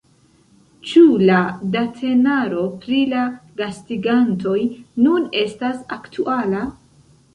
Ĉu la datenaro pri la gastigantoj nun estas aktuala?